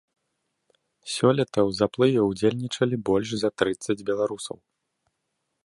Сёлета ў заплыве ўдзельнічалі больш за трыццаць беларусаў.